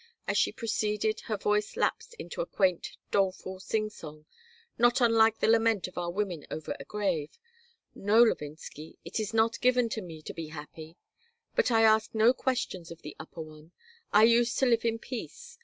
As she proceeded, her voice lapsed into a quaint, doleful singsong, not unlike the lament of our women over a grave. "No, Levinsky. It is not given to me to be happy. But I ask no questions of the Upper One. I used to live in peace.